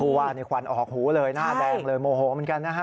ผู้ว่าควันออกหูเลยหน้าแดงเลยโมโหเหมือนกัน